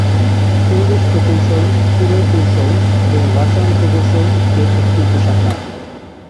পরিবেশ প্রকৌশল, পুরকৌশল এবং রসায়ন প্রকৌশল এর একটি উপ-শাখা।